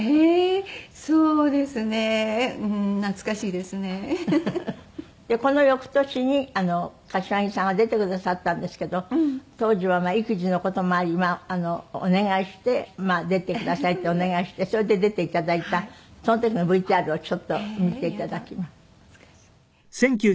でこの翌年に柏木さんが出てくださったんですけど当時は育児の事もありお願いして出てくださいってお願いしてそれで出て頂いたその時のＶＴＲをちょっと見て頂きます。